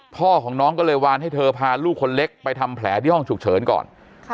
พ่อของน้องก็เลยวานให้เธอพาลูกคนเล็กไปทำแผลที่ห้องฉุกเฉินก่อน